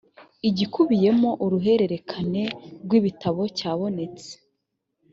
igikubiyemo uruhererekane rw’ibitabo cyabonetse